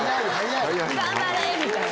頑張れ！みたいな。